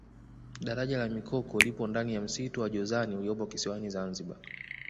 daraja la mikoko lipo ndani ya msitu wa jozani uliopo kisiwani zanzibar